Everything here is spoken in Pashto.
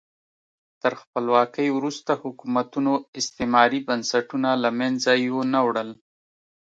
تر خپلواکۍ وروسته حکومتونو استعماري بنسټونه له منځه یو نه وړل.